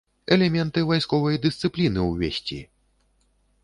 Элементы вайсковай дысцыпліны ўвесці.